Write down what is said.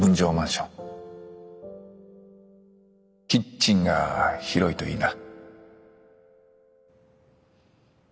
キッチンが広いといいな。